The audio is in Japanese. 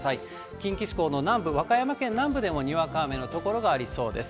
近畿地方の南部、和歌山県南部でもにわか雨の所がありそうです。